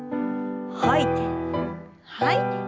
吐いて吐いて。